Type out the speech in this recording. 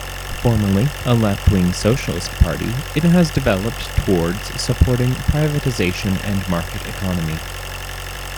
Formerly a left-wing socialist party, it has developed towards supporting privatisation and market economy.